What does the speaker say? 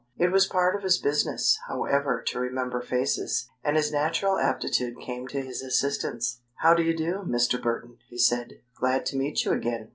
It was part of his business, however, to remember faces, and his natural aptitude came to his assistance. "How do you do, Mr. Burton?" he said. "Glad to meet you again.